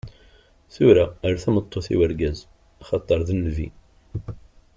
Tura, err tameṭṭut i wergaz, axaṭer d nnbi.